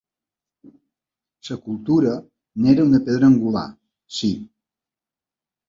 La cultura n’era una pedra angular, sí.